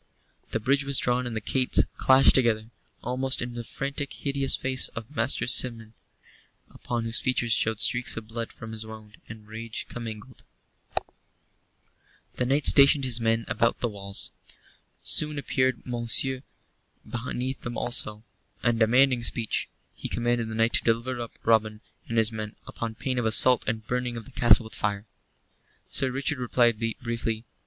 The bridge was drawn and the gates clashed together, almost in the frantic, hideous face of Master Simeon, upon whose features showed streaks of blood from his wound and rage commingled. The knight stationed his men about the walls. Soon appeared Monceux beneath them alone, and demanding speech. He commanded the knight to deliver up Robin and his men upon pain of assault and burning of the castle with fire. Sir Richard replied briefly.